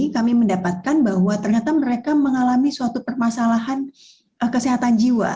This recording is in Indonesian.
kami mendapatkan bahwa ternyata mereka mengalami suatu permasalahan kesehatan jiwa